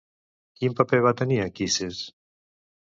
Quin paper va tenir Anquises?